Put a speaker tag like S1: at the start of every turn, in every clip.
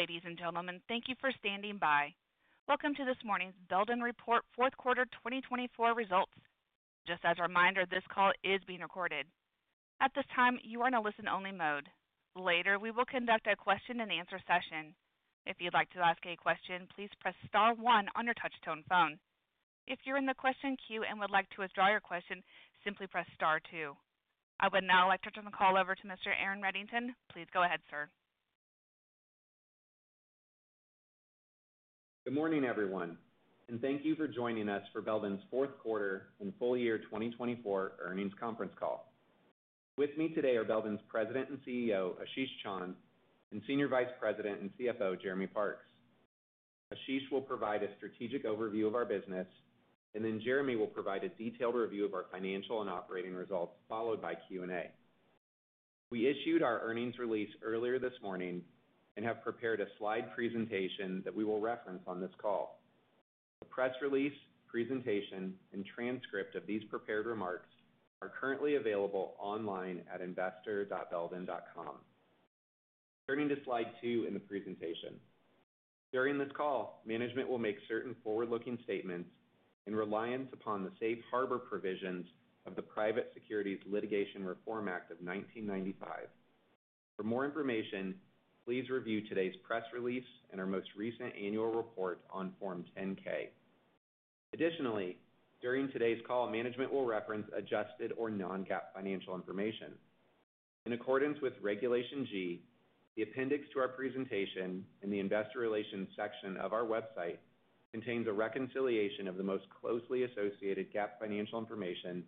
S1: Ladies and gentlemen, thank you for standing by. Welcome to this morning's Belden Report Fourth Quarter 2024 results. Just as a reminder, this call is being recorded. At this time, you are in a listen-only mode. Later, we will conduct a question and answer session. If you'd like to ask a question, please press star one on your touch-tone phone. If you're in the question queue and would like to withdraw your question, simply press star two. I would now like to turn the call over to Mr. Aaron Reddington. Please go ahead, sir.
S2: Good morning, everyone, and thank you for joining us for Belden's Fourth Quarter and Full Year 2024 Earnings Conference Call. With me today are Belden's President and CEO, Ashish Chand, and Senior Vice President and CFO, Jeremy Parks. Ashish will provide a strategic overview of our business, and then Jeremy will provide a detailed review of our financial and operating results, followed by Q&A. We issued our earnings release earlier this morning and have prepared a slide presentation that we will reference on this call. A press release, presentation, and transcript of these prepared remarks are currently available online at investor.belden.com. Turning to slide two in the presentation. During this call, management will make certain forward-looking statements in reliance upon the safe harbor provisions of the Private Securities Litigation Reform Act of 1995. For more information, please review today's press release and our most recent annual report on Form 10-K.Additionally, during today's call, management will reference adjusted or non-GAAP financial information. In accordance with Regulation G, the appendix to our presentation in the investor relations section of our website contains a reconciliation of the most closely associated GAAP financial information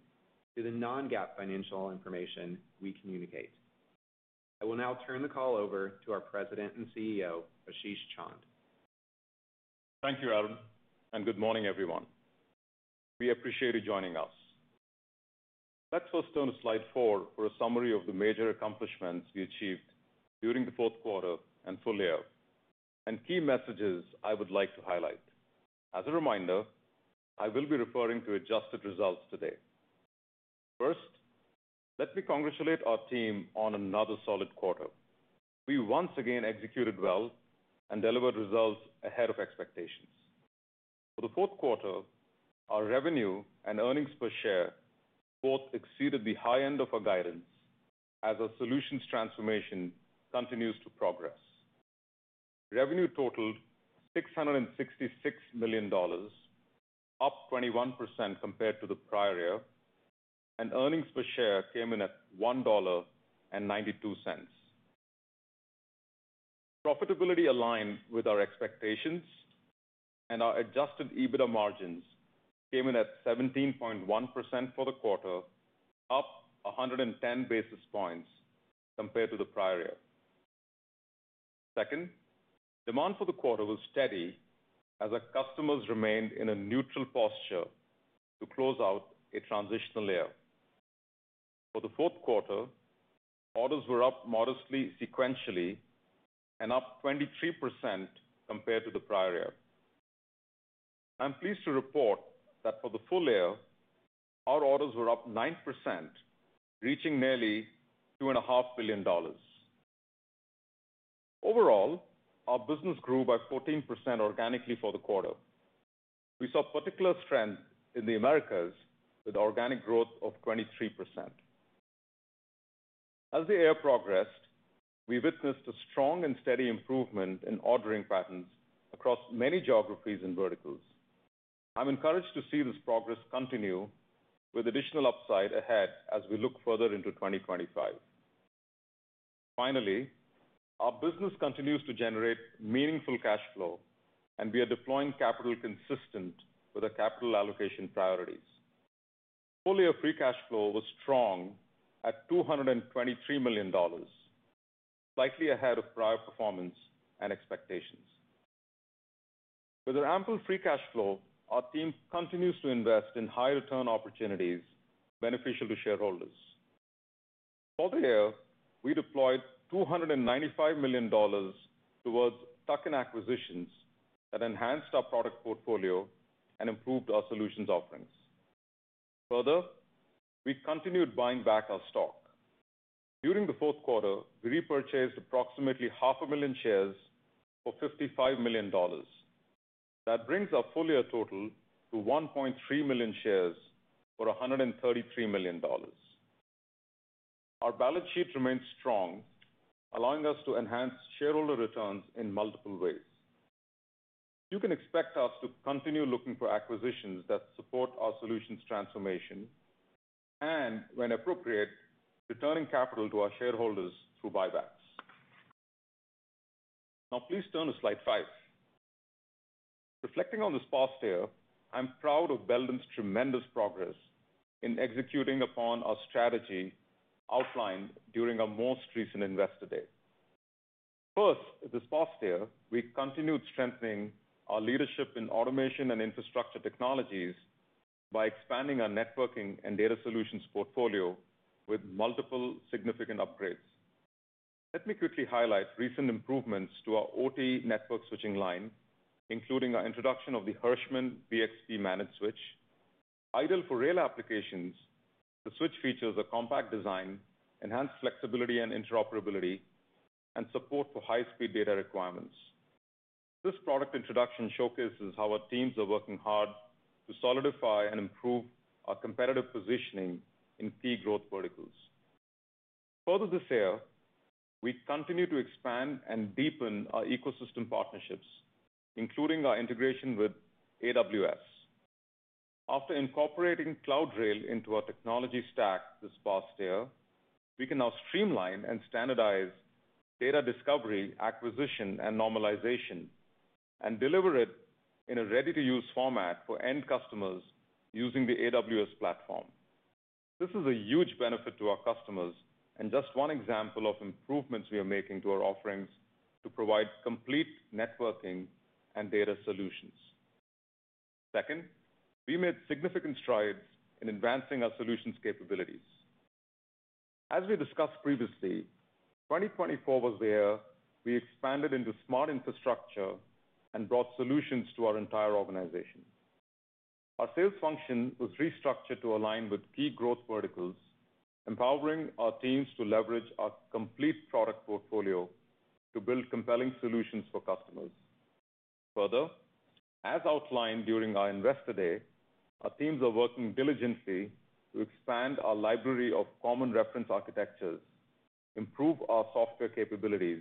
S2: to the non-GAAP financial information we communicate. I will now turn the call over to our President and CEO, Ashish Chand.
S3: Thank you, Aaron, and good morning, everyone. We appreciate you joining us. Let's first turn to slide four for a summary of the major accomplishments we achieved during the fourth quarter and full year, and key messages I would like to highlight. As a reminder, I will be referring to adjusted results today. First, let me congratulate our team on another solid quarter. We once again executed well and delivered results ahead of expectations. For the fourth quarter, our revenue and earnings per share both exceeded the high end of our guidance as our solutions transformation continues to progress. Revenue totaled $666 million, up 21% compared to the prior year, and earnings per share came in at $1.92. Profitability aligned with our expectations, and our adjusted EBITDA margins came in at 17.1% for the quarter, up 110 basis points compared to the prior year. Second, demand for the quarter was steady as our customers remained in a neutral posture to close out a transitional year. For the fourth quarter, orders were up modestly sequentially and up 23% compared to the prior year. I'm pleased to report that for the full year, our orders were up 9%, reaching nearly $2.5 billion. Overall, our business grew by 14% organically for the quarter. We saw particular strength in the Americas with organic growth of 23%. As the year progressed, we witnessed a strong and steady improvement in ordering patterns across many geographies and verticals. I'm encouraged to see this progress continue with additional upside ahead as we look further into 2025. Finally, our business continues to generate meaningful cash flow, and we are deploying capital consistent with our capital allocation priorities. The full year free cash flow was strong at $223 million, slightly ahead of prior performance and expectations. With our ample free cash flow, our team continues to invest in high-return opportunities beneficial to shareholders. For the year, we deployed $295 million towards tuck-in acquisitions that enhanced our product portfolio and improved our solutions offerings. Further, we continued buying back our stock. During the fourth quarter, we repurchased approximately 500,000 shares for $55 million. That brings our full year total to 1.3 million shares for $133 million. Our balance sheet remains strong, allowing us to enhance shareholder returns in multiple ways. You can expect us to continue looking for acquisitions that support our solutions transformation and, when appropriate, returning capital to our shareholders through buybacks. Now, please turn to slide five. Reflecting on this past year, I'm proud of Belden's tremendous progress in executing upon our strategy outlined during our most recent Investor Day. First, this past year, we continued strengthening our leadership in automation and infrastructure technologies by expanding our networking and data solutions portfolio with multiple significant upgrades. Let me quickly highlight recent improvements to our OT network switching line, including our introduction of the Hirschmann BXP managed switch. Ideal for rail applications, the switch features a compact design, enhanced flexibility and interoperability, and support for high-speed data requirements. This product introduction showcases how our teams are working hard to solidify and improve our competitive positioning in key growth verticals. Further this year, we continue to expand and deepen our ecosystem partnerships, including our integration with AWS. After incorporating CloudRail into our technology stack this past year, we can now streamline and standardize data discovery, acquisition, and normalization, and deliver it in a ready-to-use format for end customers using the AWS platform. This is a huge benefit to our customers and just one example of improvements we are making to our offerings to provide complete networking and data solutions. Second, we made significant strides in advancing our solutions capabilities. As we discussed previously, 2024 was the year we expanded into smart infrastructure and brought solutions to our entire organization. Our sales function was restructured to align with key growth verticals, empowering our teams to leverage our complete product portfolio to build compelling solutions for customers. Further, as outlined during our Investor Day, our teams are working diligently to expand our library of common reference architectures, improve our software capabilities,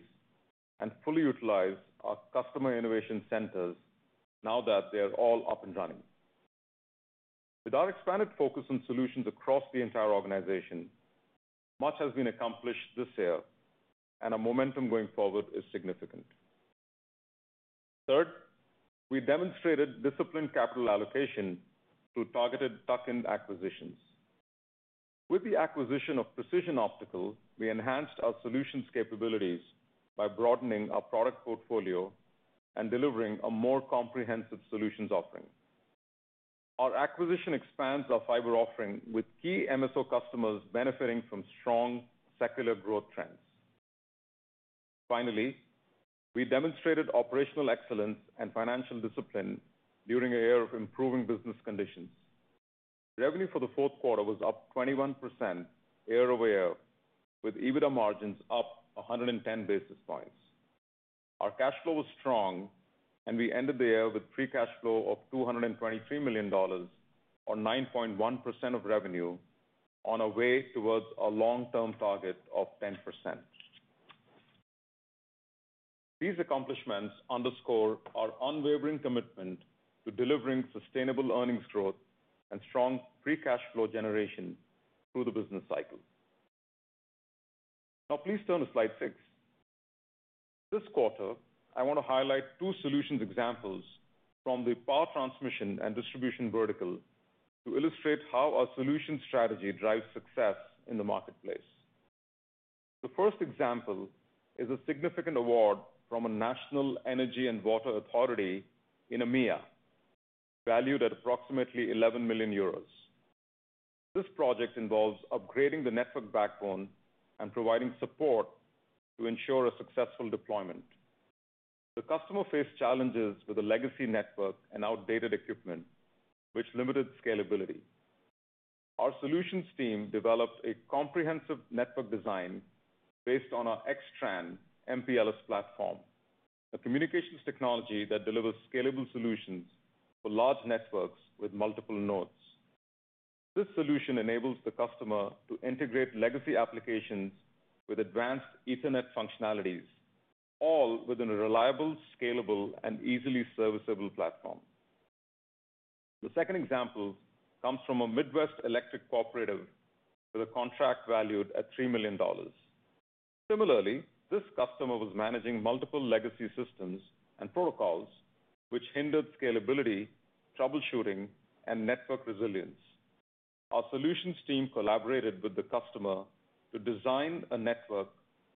S3: and fully utilize our customer innovation centers now that they are all up and running. With our expanded focus on solutions across the entire organization, much has been accomplished this year, and our momentum going forward is significant. Third, we demonstrated disciplined capital allocation through targeted tuck-in acquisitions. With the acquisition of Precision Optical, we enhanced our solutions capabilities by broadening our product portfolio and delivering a more comprehensive solutions offering. Our acquisition expands our fiber offering with key MSO customers benefiting from strong secular growth trends. Finally, we demonstrated operational excellence and financial discipline during a year of improving business conditions. Revenue for the fourth quarter was up 21% year-over-year, with EBITDA margins up 110 basis points. Our cash flow was strong, and we ended the year with free cash flow of $223 million, or 9.1% of revenue, on our way towards our long-term target of 10%. These accomplishments underscore our unwavering commitment to delivering sustainable earnings growth and strong free cash flow generation through the business cycle. Now, please turn to slide six. This quarter, I want to highlight two solutions examples from the power transmission and distribution vertical to illustrate how our solution strategy drives success in the marketplace. The first example is a significant award from a national energy and water authority in EMEA, valued at approximately 11 million euros. This project involves upgrading the network backbone and providing support to ensure a successful deployment. The customer faced challenges with a legacy network and outdated equipment, which limited scalability. Our solutions team developed a comprehensive network design based on our XTran MPLS platform, a communications technology that delivers scalable solutions for large networks with multiple nodes. This solution enables the customer to integrate legacy applications with advanced Ethernet functionalities, all within a reliable, scalable, and easily serviceable platform. The second example comes from a Midwest Electric Cooperative with a contract valued at $3 million. Similarly, this customer was managing multiple legacy systems and protocols, which hindered scalability, troubleshooting, and network resilience. Our solutions team collaborated with the customer to design a network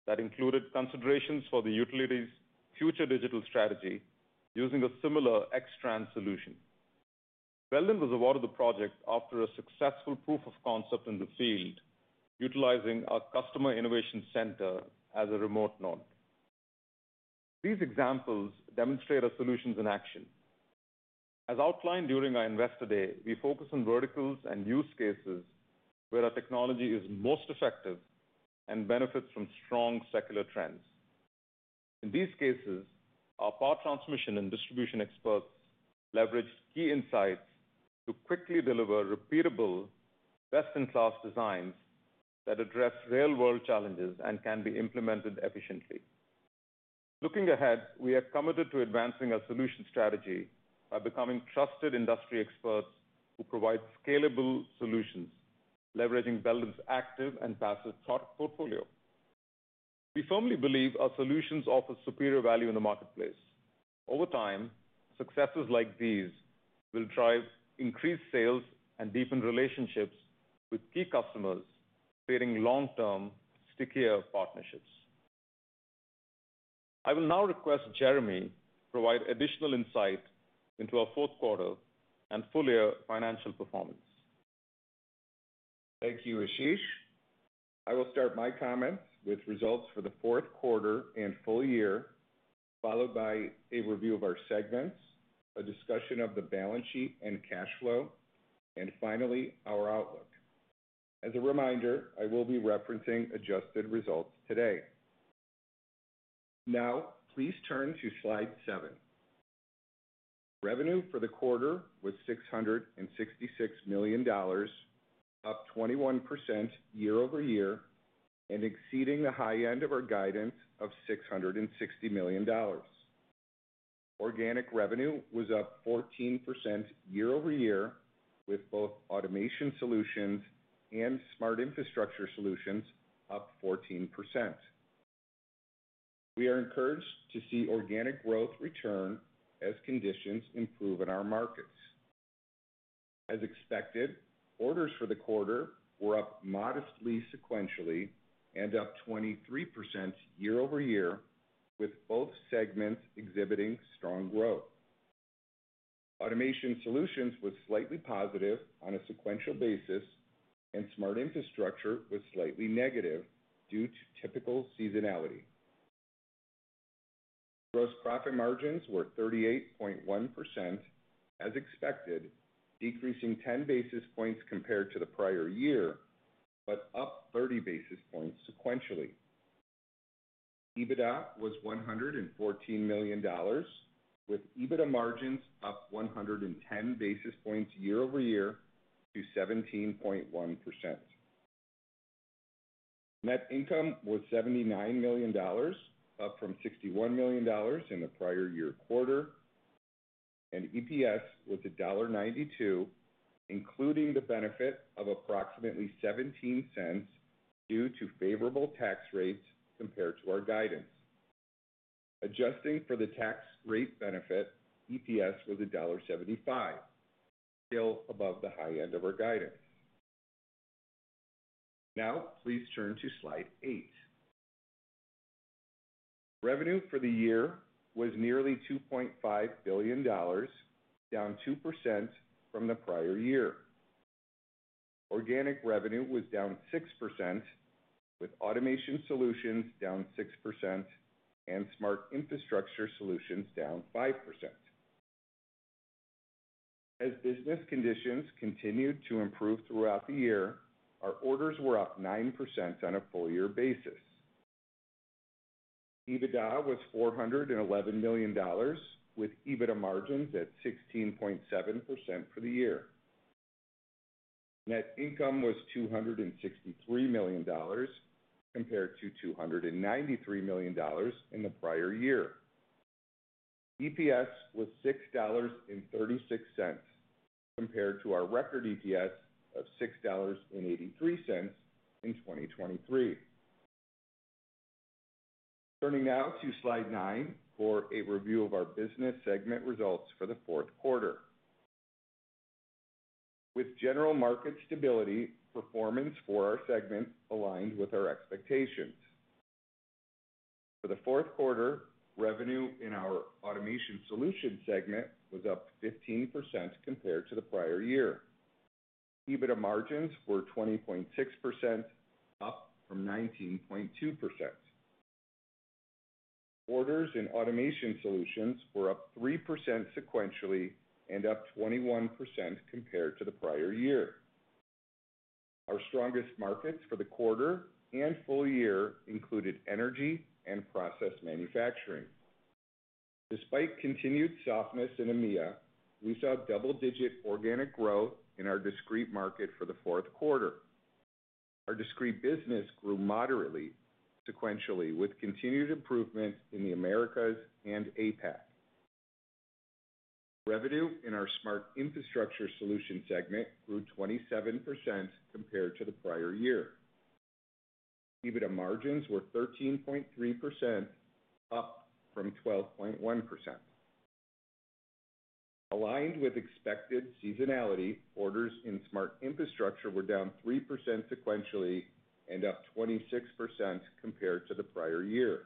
S3: that included considerations for the utility's future digital strategy using a similar XTran solution. Belden was awarded the project after a successful proof of concept in the field, utilizing our customer innovation center as a remote node. These examples demonstrate our solutions in action. As outlined during our Investor Day, we focus on verticals and use cases where our technology is most effective and benefits from strong secular trends. In these cases, our power transmission and distribution experts leveraged key insights to quickly deliver repeatable, best-in-class designs that address real-world challenges and can be implemented efficiently. Looking ahead, we are committed to advancing our solution strategy by becoming trusted industry experts who provide scalable solutions, leveraging Belden's active and passive product portfolio. We firmly believe our solutions offer superior value in the marketplace. Over time, successes like these will drive increased sales and deepen relationships with key customers, creating long-term, stickier partnerships. I will now request Jeremy to provide additional insight into our fourth quarter and full year financial performance.
S4: Thank you, Ashish. I will start my comments with results for the fourth quarter and full year, followed by a review of our segments, a discussion of the balance sheet and cash flow, and finally, our outlook. As a reminder, I will be referencing adjusted results today. Now, please turn to slide seven. Revenue for the quarter was $666 million, up 21% year-over-year, and exceeding the high end of our guidance of $660 million. Organic revenue was up 14% year-over-year, with both Automation Solutions and Smart Infrastructure Solutions up 14%. We are encouraged to see organic growth return as conditions improve in our markets. As expected, orders for the quarter were up modestly sequentially and up 23% year-over-year, with both segments exhibiting strong growth. Automation Solutions were slightly positive on a sequential basis, and Smart Infrastructure Solutions was slightly negative due to typical seasonality. Gross profit margins were 38.1%, as expected, decreasing 10 basis points compared to the prior year, but up 30 basis points sequentially. EBITDA was $114 million, with EBITDA margins up 110 basis points year over year to 17.1%. Net income was $79 million, up from $61 million in the prior year quarter, and EPS was $1.92, including the benefit of approximately $0.17 due to favorable tax rates compared to our guidance. Adjusting for the tax rate benefit, EPS was $1.75, still above the high end of our guidance. Now, please turn to slide eight. Revenue for the year was nearly $2.5 billion, down 2% from the prior year. Organic revenue was down 6%, with Automation Solutions down 6% and Smart Infrastructure Solutions down 5%. As business conditions continued to improve throughout the year, our orders were up 9% on a full year basis. EBITDA was $411 million, with EBITDA margins at 16.7% for the year. Net income was $263 million compared to $293 million in the prior year. EPS was $6.36 compared to our record EPS of $6.83 in 2023. Turning now to slide nine for a review of our business segment results for the fourth quarter. With general market stability, performance for our segment aligned with our expectations. For the fourth quarter, revenue in our Automation Solutions segment was up 15% compared to the prior year. EBITDA margins were 20.6%, up from 19.2%. Orders in Automation Solutions were up 3% sequentially and up 21% compared to the prior year. Our strongest markets for the quarter and full year included energy and process manufacturing. Despite continued softness in EMEA, we saw double-digit organic growth in our discrete market for the fourth quarter. Our discrete business grew moderately sequentially with continued improvement in the Americas and APAC. Revenue in our Smart Infrastructure Solution segment grew 27% compared to the prior year. EBITDA margins were 13.3%, up from 12.1%. Aligned with expected seasonality, orders in Smart Infrastructure were down 3% sequentially and up 26% compared to the prior year.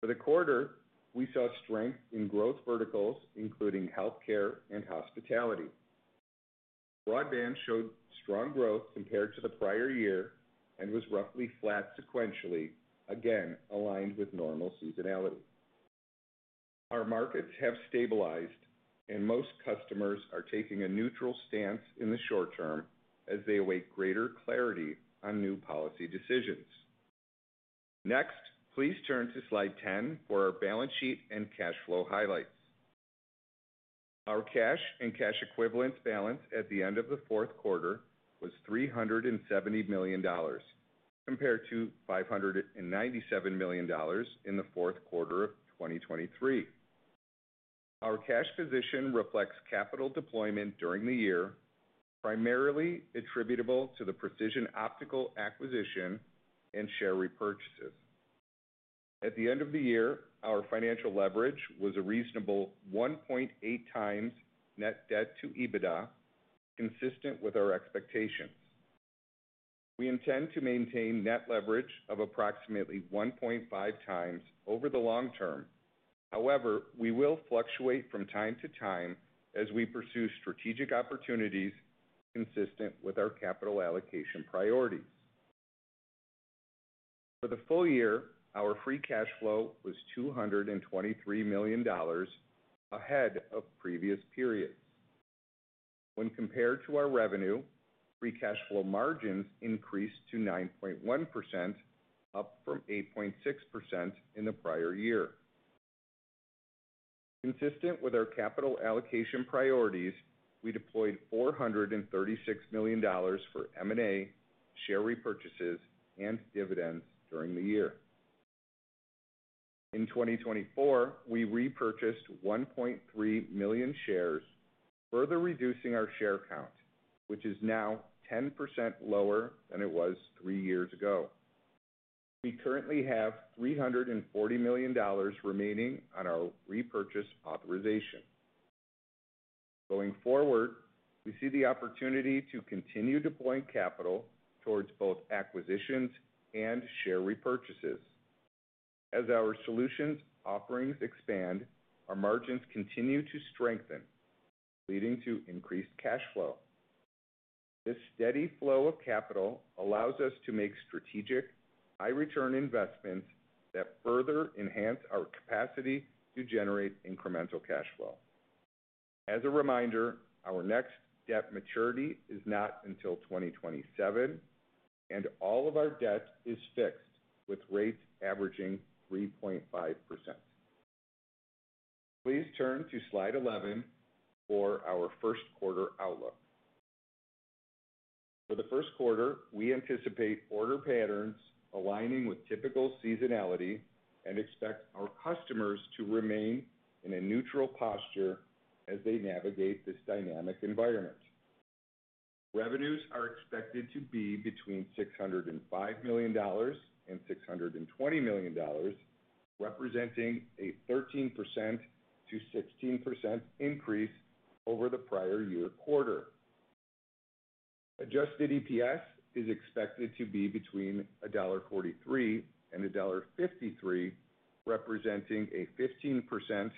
S4: For the quarter, we saw strength in growth verticals, including healthcare and hospitality. Broadband showed strong growth compared to the prior year and was roughly flat sequentially, again aligned with normal seasonality. Our markets have stabilized, and most customers are taking a neutral stance in the short term as they await greater clarity on new policy decisions. Next, please turn to slide 10 for our balance sheet and cash flow highlights. Our cash and cash equivalents balance at the end of the fourth quarter was $370 million compared to $597 million in the fourth quarter of 2023. Our cash position reflects capital deployment during the year, primarily attributable to the Precision Optical acquisition and share repurchases. At the end of the year, our financial leverage was a reasonable 1.8x net debt to EBITDA, consistent with our expectations. We intend to maintain net leverage of approximately 1.5x over the long term. However, we will fluctuate from time to time as we pursue strategic opportunities consistent with our capital allocation priorities. For the full year, our free cash flow was $223 million ahead of previous periods. When compared to our revenue, free cash flow margins increased to 9.1%, up from 8.6% in the prior year. Consistent with our capital allocation priorities, we deployed $436 million for M&A, share repurchases, and dividends during the year. In 2024, we repurchased 1.3 million shares, further reducing our share count, which is now 10% lower than it was three years ago. We currently have $340 million remaining on our repurchase authorization. Going forward, we see the opportunity to continue deploying capital towards both acquisitions and share repurchases. As our solutions offerings expand, our margins continue to strengthen, leading to increased cash flow. This steady flow of capital allows us to make strategic, high-return investments that further enhance our capacity to generate incremental cash flow. As a reminder, our next debt maturity is not until 2027, and all of our debt is fixed with rates averaging 3.5%. Please turn to slide 11 for our first quarter outlook. For the first quarter, we anticipate order patterns aligning with typical seasonality and expect our customers to remain in a neutral posture as they navigate this dynamic environment. Revenues are expected to be between $605 million and $620 million, representing a 13%-16% increase over the prior year quarter. Adjusted EPS is expected to be between $1.43 and $1.53, representing a 15%-23%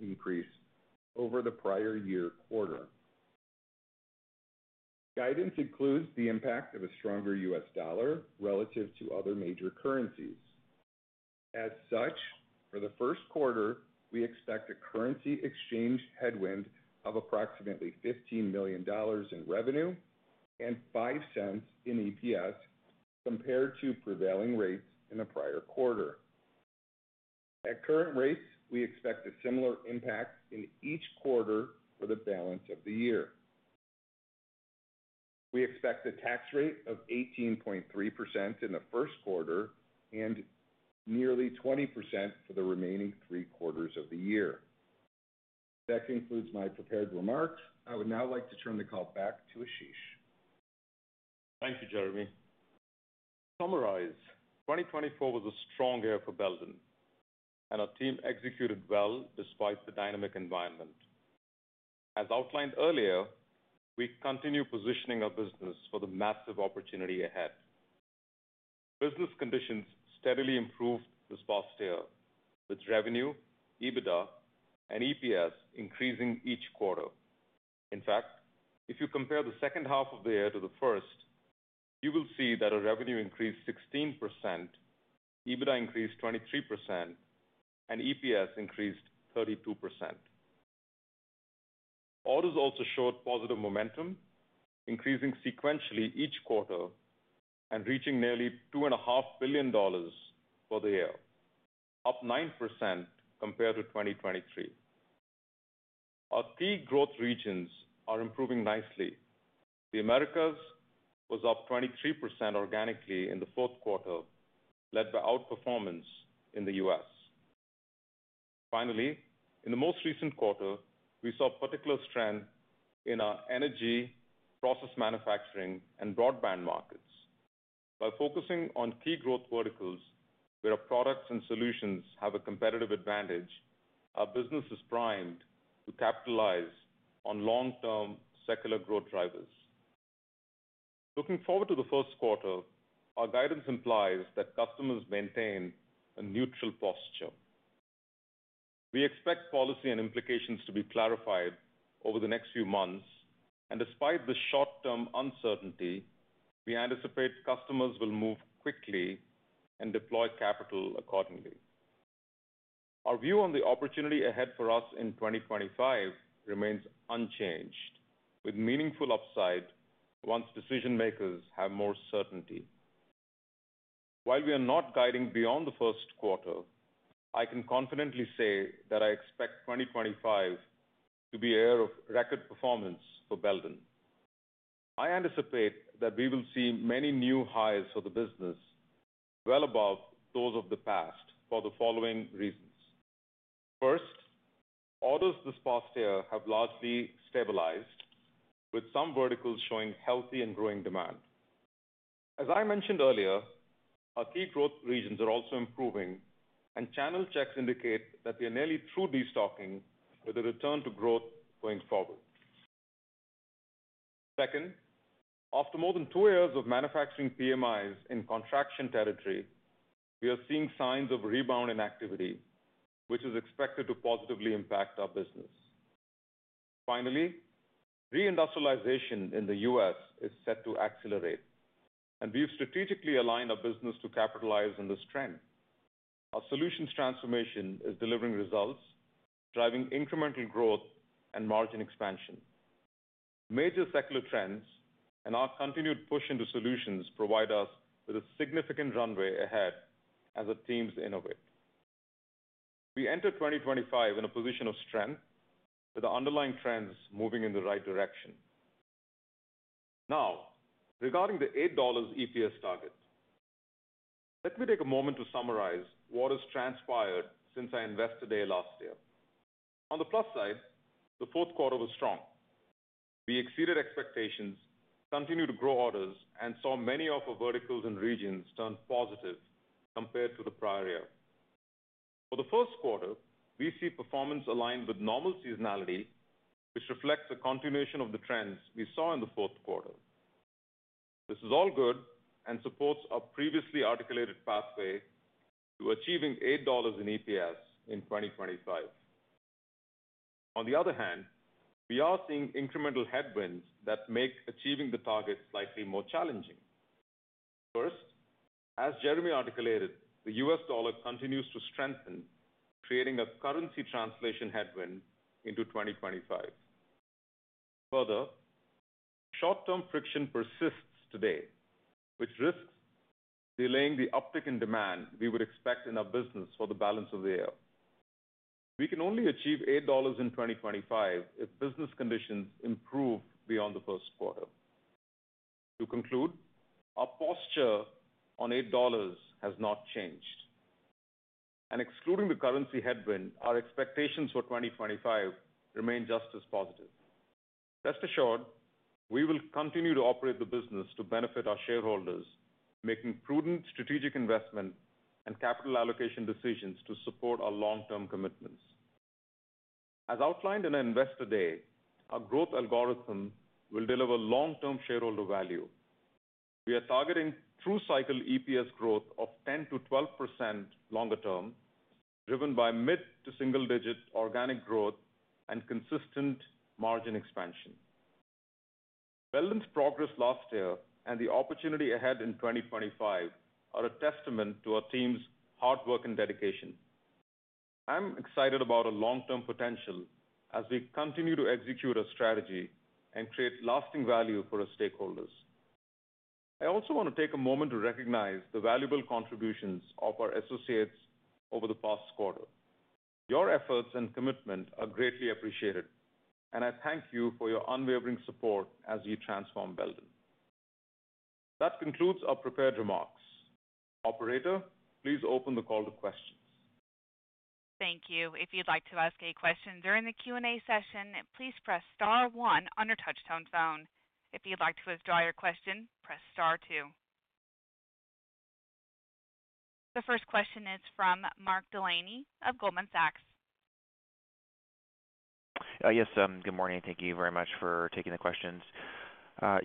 S4: increase over the prior year quarter. Guidance includes the impact of a stronger US dollar relative to other major currencies. As such, for the first quarter, we expect a currency exchange headwind of approximately $15 million in revenue and $0.05 in EPS compared to prevailing rates in the prior quarter. At current rates, we expect a similar impact in each quarter for the balance of the year. We expect a tax rate of 18.3% in the first quarter and nearly 20% for the remaining three quarters of the year. That concludes my prepared remarks. I would now like to turn the call back to Ashish.
S3: Thank you, Jeremy. To summarize, 2024 was a strong year for Belden, and our team executed well despite the dynamic environment. As outlined earlier, we continue positioning our business for the massive opportunity ahead. Business conditions steadily improved this past year, with revenue, EBITDA, and EPS increasing each quarter. In fact, if you compare the second half of the year to the first, you will see that our revenue increased 16%, EBITDA increased 23%, and EPS increased 32%. Orders also showed positive momentum, increasing sequentially each quarter and reaching nearly $2.5 billion for the year, up 9% compared to 2023. Our key growth regions are improving nicely. The Americas was up 23% organically in the fourth quarter, led by outperformance in the U.S. Finally, in the most recent quarter, we saw particular strength in our energy, process manufacturing, and broadband markets. By focusing on key growth verticals where our products and solutions have a competitive advantage, our business is primed to capitalize on long-term secular growth drivers. Looking forward to the first quarter, our guidance implies that customers maintain a neutral posture. We expect policy and implications to be clarified over the next few months, and despite the short-term uncertainty, we anticipate customers will move quickly and deploy capital accordingly. Our view on the opportunity ahead for us in 2025 remains unchanged, with meaningful upside once decision-makers have more certainty. While we are not guiding beyond the first quarter, I can confidently say that I expect 2025 to be a year of record performance for Belden. I anticipate that we will see many new highs for the business, well above those of the past, for the following reasons. First, orders this past year have largely stabilized, with some verticals showing healthy and growing demand. As I mentioned earlier, our key growth regions are also improving, and channel checks indicate that we are nearly through destocking with a return to growth going forward. Second, after more than two years of manufacturing PMIs in contraction territory, we are seeing signs of rebound in activity, which is expected to positively impact our business. Finally, reindustrialization in the U.S. is set to accelerate, and we've strategically aligned our business to capitalize on this trend. Our solutions transformation is delivering results, driving incremental growth and margin expansion. Major secular trends and our continued push into solutions provide us with a significant runway ahead as our teams innovate. We enter 2025 in a position of strength, with the underlying trends moving in the right direction. Now, regarding the $8 EPS target, let me take a moment to summarize what has transpired since I invested last year. On the plus side, the fourth quarter was strong. We exceeded expectations, continued to grow orders, and saw many of our verticals and regions turn positive compared to the prior year. For the first quarter, we see performance aligned with normal seasonality, which reflects the continuation of the trends we saw in the fourth quarter. This is all good and supports our previously articulated pathway to achieving $8 in EPS in 2025. On the other hand, we are seeing incremental headwinds that make achieving the target slightly more challenging. First, as Jeremy articulated, the U.S. dollar continues to strengthen, creating a currency translation headwind into 2025. Further, short-term friction persists today, which risks delaying the uptick in demand we would expect in our business for the balance of the year. We can only achieve $8 in 2025 if business conditions improve beyond the first quarter. To conclude, our posture on $8 has not changed, and excluding the currency headwind, our expectations for 2025 remain just as positive. Rest assured, we will continue to operate the business to benefit our shareholders, making prudent strategic investment and capital allocation decisions to support our long-term commitments. As outlined in our Investor Day, our growth algorithm will deliver long-term shareholder value. We are targeting through-cycle EPS growth of 10%-12% longer term, driven by mid-single-digit organic growth and consistent margin expansion. Belden's progress last year and the opportunity ahead in 2025 are a testament to our team's hard work and dedication. I'm excited about our long-term potential as we continue to execute our strategy and create lasting value for our stakeholders. I also want to take a moment to recognize the valuable contributions of our associates over the past quarter. Your efforts and commitment are greatly appreciated, and I thank you for your unwavering support as we transform Belden. That concludes our prepared remarks. Operator, please open the call to questions.
S1: Thank you. If you'd like to ask a question during the Q&A session, please press star one on your touch-tone phone. If you'd like to withdraw your question, press star two. The first question is from Mark Delaney of Goldman Sachs.
S5: Yes, good morning. Thank you very much for taking the questions.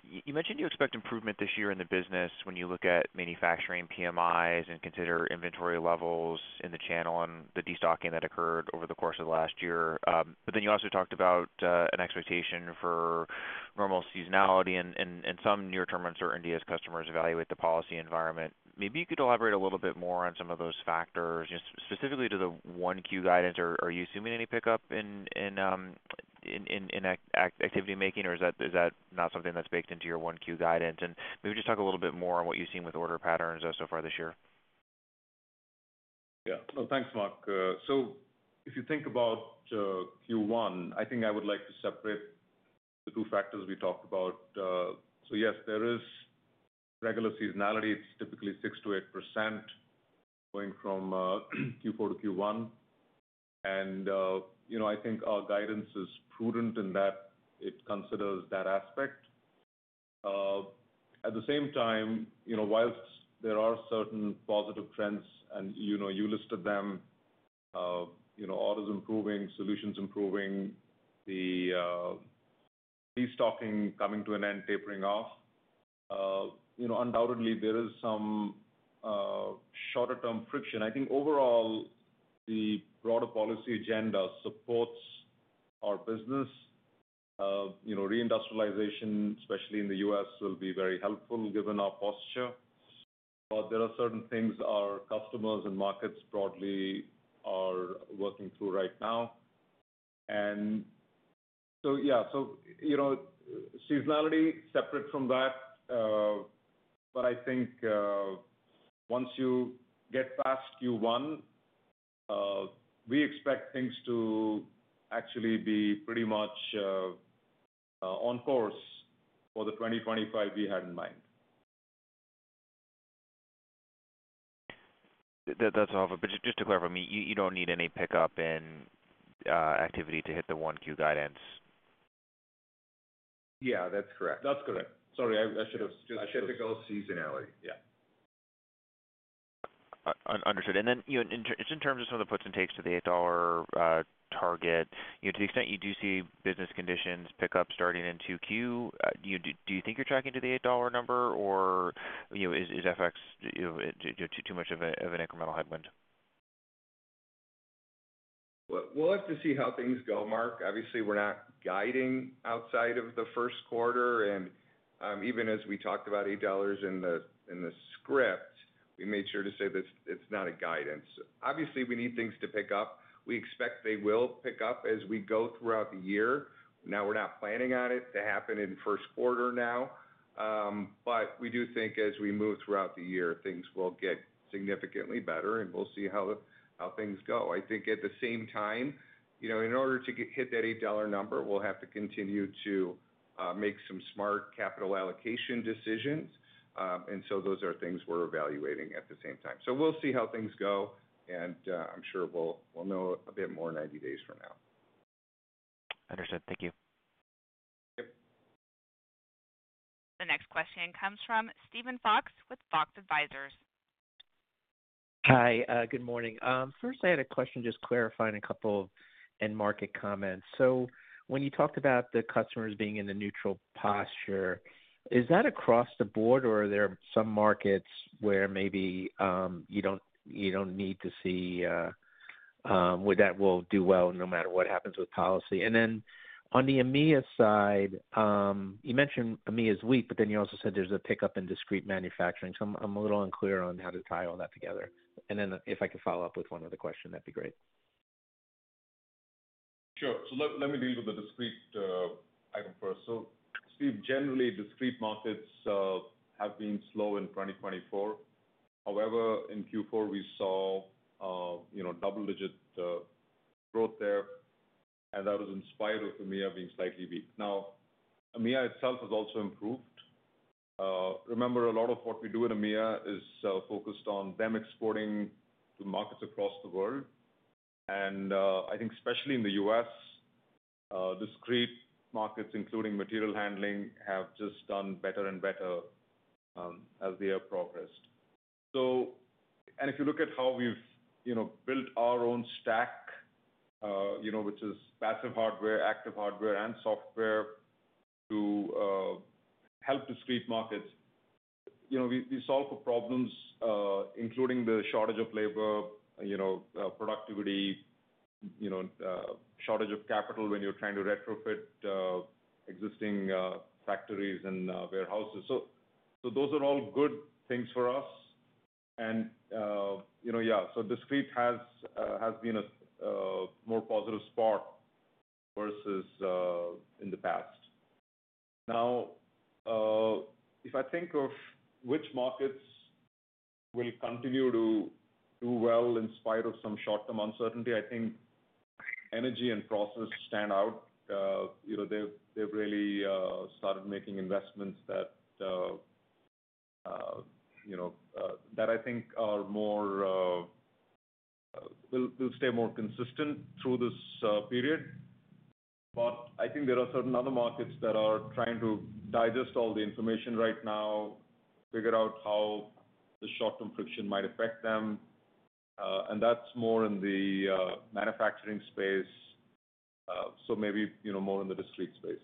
S5: You mentioned you expect improvement this year in the business when you look at manufacturing PMIs and consider inventory levels in the channel and the destocking that occurred over the course of last year. But then you also talked about an expectation for normal seasonality and some near-term uncertainty as customers evaluate the policy environment. Maybe you could elaborate a little bit more on some of those factors, specifically to the 1Q guidance. Are you assuming any pickup in manufacturing activity, or is that not something that's baked into your 1Q guidance? And maybe just talk a little bit more on what you've seen with order patterns so far this year.
S4: Yeah. Thanks, Mark. So if you think about Q1, I think I would like to separate the two factors we talked about. So yes, there is regular seasonality. It's typically 6%-8% going from Q4 to Q1. And I think our guidance is prudent in that it considers that aspect. At the same time, while there are certain positive trends, and you listed them, orders improving, solutions improving, the destocking coming to an end, tapering off. Undoubtedly, there is some shorter term friction. I think overall, the broader policy agenda supports our business. Reindustrialization, especially in the U.S., will be very helpful given our posture. But there are certain things our customers and markets broadly are working through right now. And so, yeah, so seasonality separate from that. But I think once you get past Q1, we expect things to actually be pretty much on course for the 2025 we had in mind.
S5: That's awesome. But just to clarify, you don't need any pickup in activity to hit the 1Q guidance?
S4: Yeah, that's correct. Sorry, I should have said just the seasonality.
S3: Yeah.
S5: Understood. And then just in terms of some of the puts and takes to the $8 target, to the extent you do see business conditions pick up starting in 2Q, do you think you're tracking to the $8 number, or is FX too much of an incremental headwind?
S4: We'll have to see how things go, Mark. Obviously, we're not guiding outside of the first quarter. Even as we talked about $8 in the script, we made sure to say that it's not a guidance. Obviously, we need things to pick up. We expect they will pick up as we go throughout the year. Now, we're not planning on it to happen in the first quarter now. We do think as we move throughout the year, things will get significantly better, and we'll see how things go. I think at the same time, in order to hit that $8 number, we'll have to continue to make some smart capital allocation decisions. Those are things we're evaluating at the same time. We'll see how things go, and I'm sure we'll know a bit more 90 days from now.
S5: Understood. Thank you.
S4: Yep.
S1: The next question comes from Steven Fox with Fox Advisors.
S6: Hi, good morning. First, I had a question just clarifying a couple of end market comments. So when you talked about the customers being in a neutral posture, is that across the board, or are there some markets where maybe you don't need to see that will do well no matter what happens with policy? And then on the EMEA side, you mentioned EMEA's weak, but then you also said there's a pickup in discrete manufacturing. So I'm a little unclear on how to tie all that together. And then if I could follow up with one other question, that'd be great.
S3: Sure. So let me deal with the discrete item first. So generally, discrete markets have been slow in 2024. However, in Q4, we saw double-digit growth there, and that was in spite of EMEA being slightly weak. Now, EMEA itself has also improved. Remember, a lot of what we do in EMEA is focused on them exporting to markets across the world. And I think especially in the U.S., discrete markets, including material handling, have just done better and better as the year progressed. And if you look at how we've built our own stack, which is passive hardware, active hardware, and software to help discrete markets, we solve for problems, including the shortage of labor, productivity, shortage of capital when you're trying to retrofit existing factories and warehouses. So those are all good things for us. And yeah, so discrete has been a more positive spot versus in the past. Now, if I think of which markets will continue to do well in spite of some short-term uncertainty, I think energy and process stand out. They've really started making investments that I think will stay more consistent through this period. But I think there are certain other markets that are trying to digest all the information right now, figure out how the short-term friction might affect them. And that's more in the manufacturing space, so maybe more in the discrete space.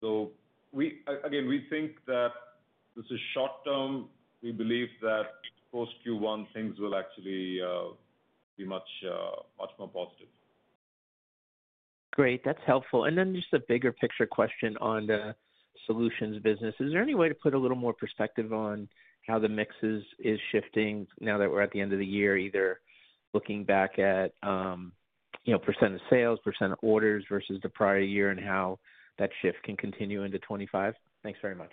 S3: So again, we think that this is short-term. We believe that post Q1, things will actually be much more positive.
S6: Great. That's helpful. And then just a bigger picture question on the solutions business. Is there any way to put a little more perspective on how the mix is shifting now that we're at the end of the year, either looking back at percent of sales, percent orders versus the prior year, and how that shift can continue into 2025? Thanks very much.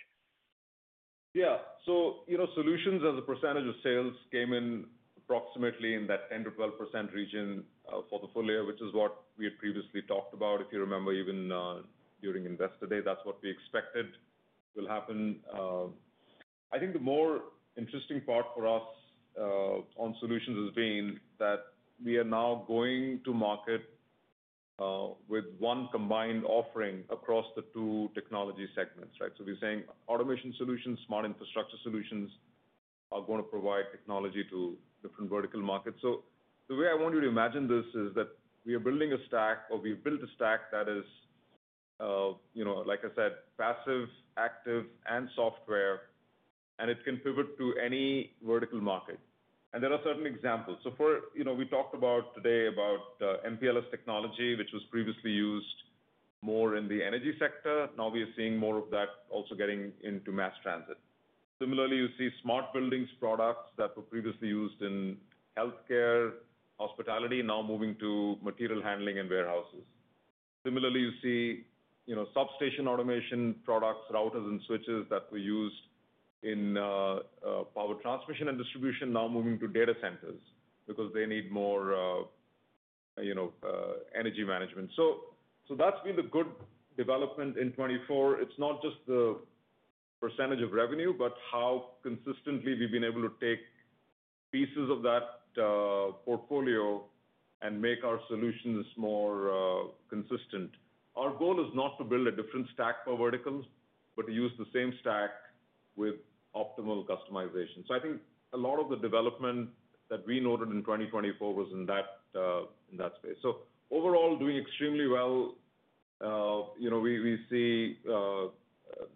S3: Yeah. So solutions as a percentage of sales came in approximately in that 10%-12% region for the full year, which is what we had previously talked about. If you remember, even during Investor Day, that's what we expected will happen. I think the more interesting part for us on solutions has been that we are now going to market with one combined offering across the two technology segments, right? So we're saying Automation Solutions, Smart Infrastructure Solutions are going to provide technology to different vertical markets. So the way I want you to imagine this is that we are building a stack, or we've built a stack that is, like I said, passive, active, and software, and it can pivot to any vertical market. And there are certain examples. So we talked about today about MPLS technology, which was previously used more in the energy sector. Now we are seeing more of that also getting into mass transit. Similarly, you see smart buildings products that were previously used in healthcare, hospitality, now moving to material handling and warehouses. Similarly, you see substation automation products, routers and switches that were used in power transmission and distribution, now moving to data centers because they need more energy management. So that's been the good development in 2024. It's not just the percentage of revenue, but how consistently we've been able to take pieces of that portfolio and make our solutions more consistent. Our goal is not to build a different stack per vertical, but to use the same stack with optimal customization. So I think a lot of the development that we noted in 2024 was in that space. So overall, doing extremely well. We see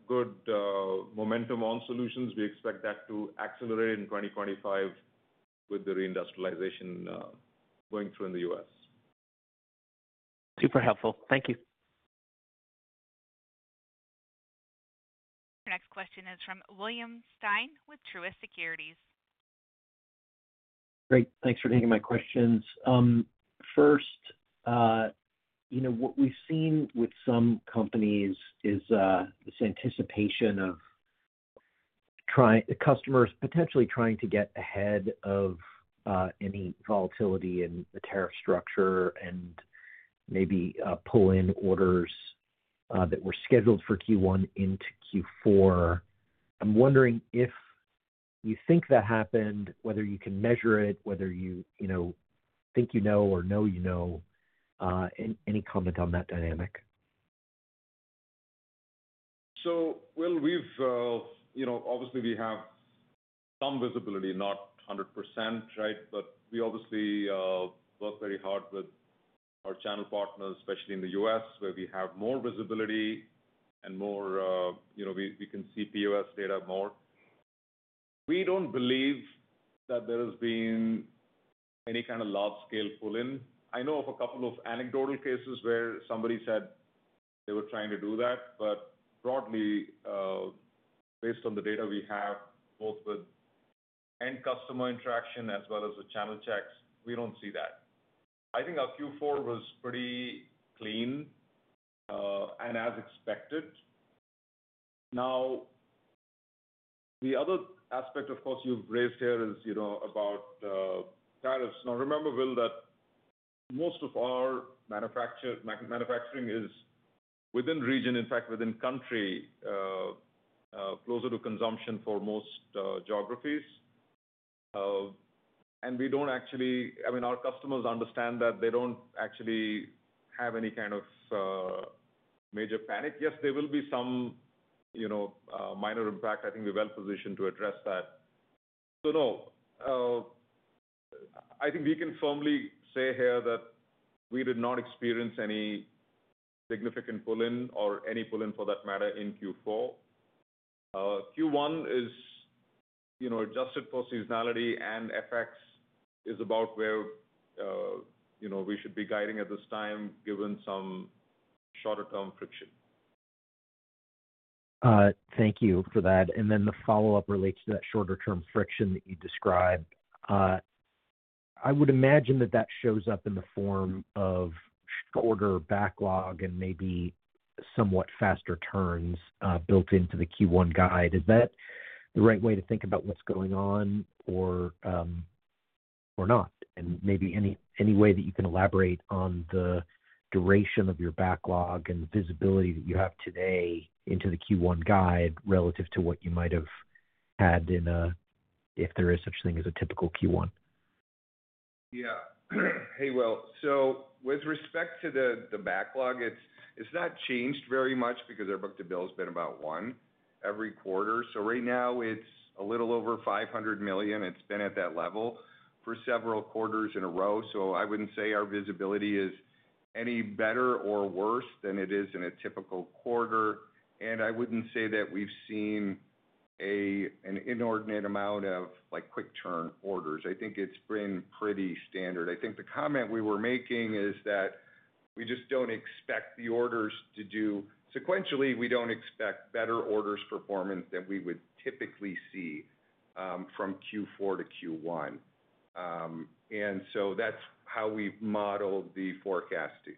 S3: good momentum on solutions. We expect that to accelerate in 2025 with the reindustrialization going through in the U.S.
S6: Super helpful. Thank you.
S1: The next question is from William Stein with Truist Securities.
S7: Great. Thanks for taking my questions. First, what we've seen with some companies is this anticipation of customers potentially trying to get ahead of any volatility in the tariff structure and maybe pull in orders that were scheduled for Q1 into Q4. I'm wondering if you think that happened, whether you can measure it, whether you think you know or know you know, any comment on that dynamic?
S3: So obviously, we have some visibility, not 100%, right? But we obviously work very hard with our channel partners, especially in the U.S., where we have more visibility and we can see POS data more. We don't believe that there has been any kind of large-scale pull-in. I know of a couple of anecdotal cases where somebody said they were trying to do that. But broadly, based on the data we have, both with end customer interaction as well as the channel checks, we don't see that. I think our Q4 was pretty clean and as expected. Now, the other aspect, of course, you've raised here is about tariffs. Now, remember, Will, that most of our manufacturing is within region, in fact, within country, closer to consumption for most geographies. And we don't actually, I mean, our customers understand that they don't actually have any kind of major panic. Yes, there will be some minor impact. I think we're well-positioned to address that. So no, I think we can firmly say here that we did not experience any significant pull-in or any pull-in, for that matter, in Q4. Q1 is adjusted for seasonality, and FX is about where we should be guiding at this time, given some shorter term friction.
S7: Thank you for that. And then the follow-up relates to that shorter term friction that you described. I would imagine that that shows up in the form of shorter backlog and maybe somewhat faster turns built into the Q1 guide. Is that the right way to think about what's going on or not? And maybe any way that you can elaborate on the duration of your backlog and visibility that you have today into the Q1 guide relative to what you might have had if there is such a thing as a typical Q1?
S4: Yeah. Hey, Will. So with respect to the backlog, it's not changed very much because our book-to-bill has been about one every quarter. So right now, it's a little over $500 million. It's been at that level for several quarters in a row. So I wouldn't say our visibility is any better or worse than it is in a typical quarter. And I wouldn't say that we've seen an inordinate amount of quick-turn orders. I think it's been pretty standard. I think the comment we were making is that we just don't expect the orders to do sequentially. We don't expect better orders performance than we would typically see from Q4 to Q1. And so that's how we've modeled the forecasting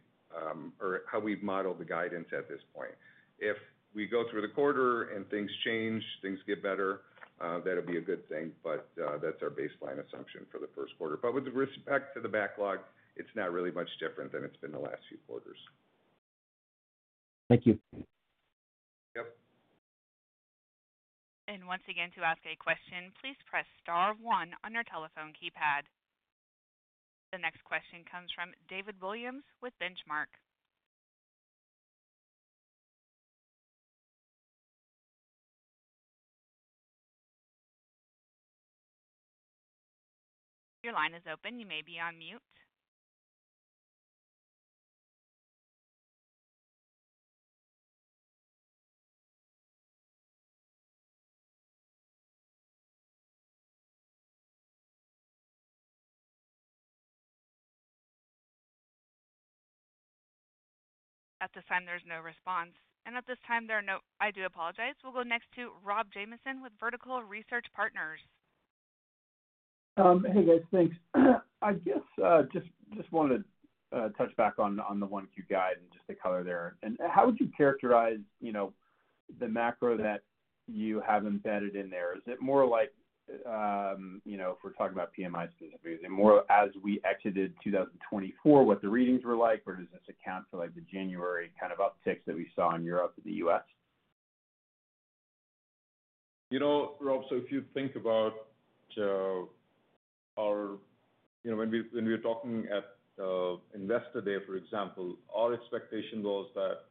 S4: or how we've modeled the guidance at this point. If we go through the quarter and things change, things get better, that'll be a good thing. But that's our baseline assumption for the first quarter. But with respect to the backlog, it's not really much different than it's been the last few quarters.
S7: Thank you.
S4: Yep.
S1: And once again, to ask a question, please press star one on your telephone keypad. The next question comes from David Williams with Benchmark. Your line is open. You may be on mute. At this time, there's no response. And at this time, I do apologize. We'll go next to Rob Jamieson with Vertical Research Partners.
S8: Hey, guys. Thanks. I guess just want to touch back on the Q1 guide and just the color there and how would you characterize the macro that you have embedded in there? Is it more like if we're talking about PMI specifically, is it more as we exited 2024, what the readings were like, or does this account for the January kind of upticks that we saw in Europe and the U.S.?
S3: You know, Rob, so if you think about our, when we were talking at Investor Day, for example, our expectation was that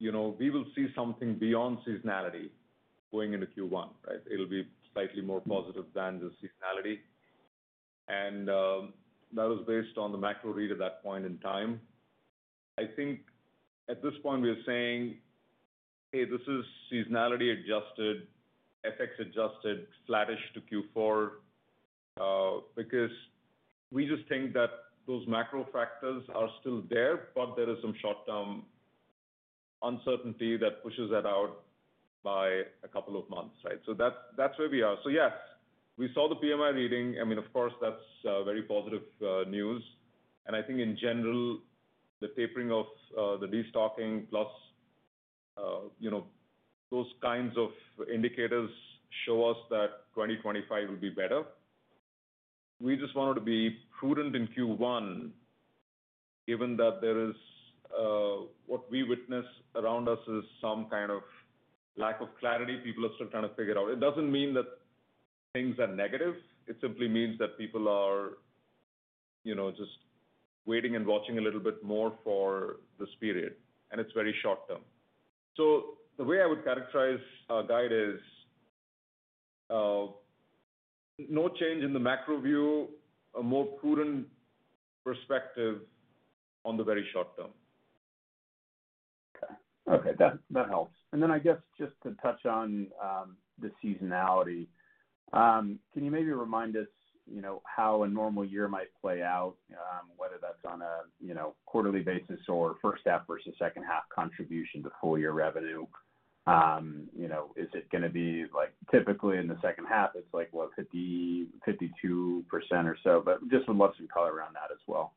S3: we will see something beyond seasonality going into Q1, right? It'll be slightly more positive than the seasonality, and that was based on the macro read at that point in time. I think at this point, we are saying, "Hey, this is seasonality adjusted, FX adjusted, flattish to Q4," because we just think that those macro factors are still there, but there is some short-term uncertainty that pushes that out by a couple of months, right? So that's where we are. So yes, we saw the PMI reading. I mean, of course, that's very positive news, and I think, in general, the tapering of the destocking plus those kinds of indicators show us that 2025 will be better. We just wanted to be prudent in Q1, given that there is what we witness around us is some kind of lack of clarity. People are still trying to figure out. It doesn't mean that things are negative. It simply means that people are just waiting and watching a little bit more for this period, and it's very short-term, so the way I would characterize our guide is no change in the macro view, a more prudent perspective on the very short term.
S8: Okay. That helps. And then I guess just to touch on the seasonality, can you maybe remind us how a normal year might play out, whether that's on a quarterly basis or first half versus second half contribution to full year revenue? Is it going to be typically in the second half? It's like, what, 50%-52% or so? But just would love some color around that as well.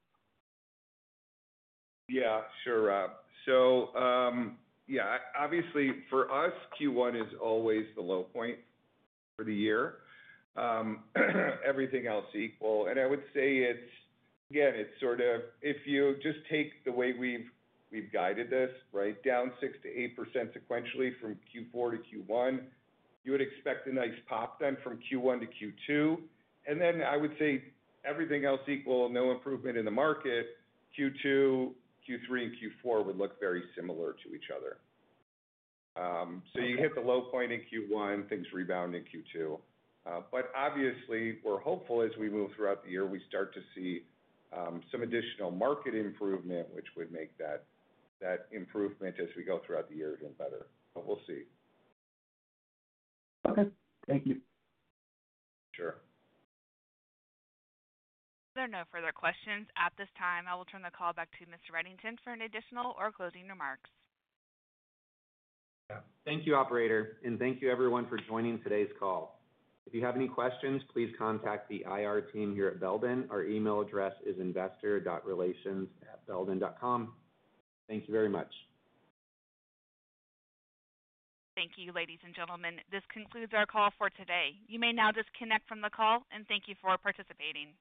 S4: Yeah. Sure. So yeah, obviously, for us, Q1 is always the low point for the year. Everything else equal. And I would say, again, it's sort of if you just take the way we've guided this, right, down 6%-8% sequentially from Q4 to Q1, you would expect a nice pop then from Q1 to Q2. And then I would say everything else equal, no improvement in the market, Q2, Q3, and Q4 would look very similar to each other. So you hit the low point in Q1, things rebound in Q2. But obviously, we're hopeful as we move throughout the year, we start to see some additional market improvement, which would make that improvement as we go throughout the year even better. But we'll see.
S8: Okay. Thank you.
S4: Sure.
S1: There are no further questions at this time. I will turn the call back to Mr. Reddington for any additional or closing remarks.
S9: Thank you, operator. And thank you, everyone, for joining today's call. If you have any questions, please contact the IR team here at Belden. Our email address is investor.relations@belden.com. Thank you very much.
S1: Thank you, ladies and gentlemen. This concludes our call for today. You may now disconnect from the call, and thank you for participating.